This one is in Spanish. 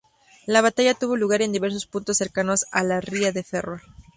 La batalla tuvo lugar en diversos puntos cercanos a la Ría de Ferrol.